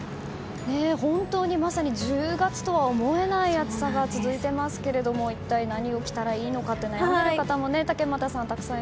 本当にまさに１０月とは思えない暑さが続いていますけれども一体何を着たらいいのか悩む方も竹俣さん